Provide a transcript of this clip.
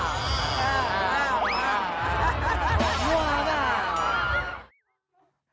น่ารักไหม